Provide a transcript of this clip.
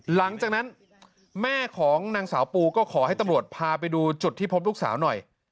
หลังจากนั้นแม่ของนางสาวปูก็ขอให้ตำรวจพาไปดูจุดที่พบลูกสาวหน่อย